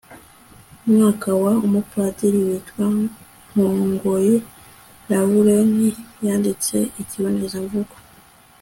mwaka wa umupadiri witwa nkongori lawurenti yanditse ikibonezamvugo